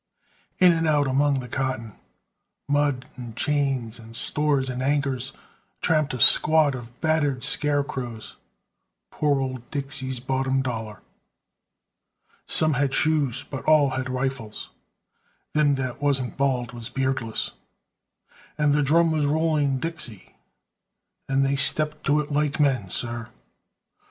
"In and out among the cotton, Mud, and chains, and stores, and anchors, Tramped a squad of battered scarecrows Poor old Dixie's bottom dollar! "Some had shoes, but all had rifles, Them that wasn't bald was beardless, And the drum was rolling 'Dixie,' And they stepped to it like men, sir!